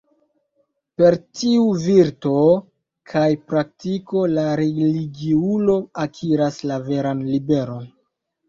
Per tiu virto kaj praktiko la religiulo akiras la veran liberon.